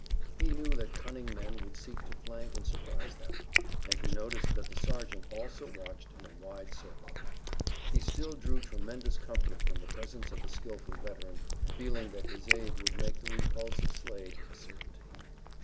He knew that cunning men would seek to flank and surprise them, and he noticed that the sergeant also watched in a wide circle. He still drew tremendous comfort from the presence of the skillful veteran, feeling that his aid would make the repulse of Slade a certainty.